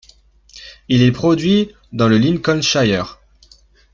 Il est produit dans le Lincolnshire.